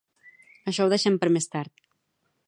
Això ho deixem per més tard.